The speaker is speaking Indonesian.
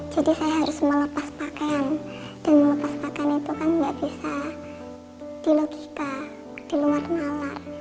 jadi saya harus melepas pakaian dan melepas pakaian itu kan tidak bisa di logika di luar malar